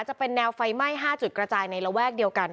จะเป็นแนวไฟไหม้๕จุดกระจายในระแวกเดียวกัน